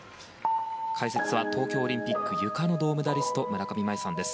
解説は、東京オリンピックゆかの銅メダリスト村上茉愛さんです。